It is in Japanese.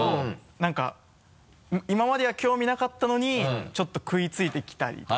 何か今までは興味なかったのにちょっと食いついてきたりとか。